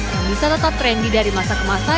yang bisa tetap trendy dari masa ke masa